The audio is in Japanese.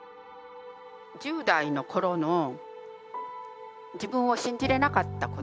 １０代の頃の自分を信じれなかったこと。